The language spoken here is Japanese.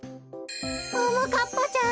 ももかっぱちゃん！